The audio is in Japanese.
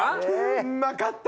うんまかった！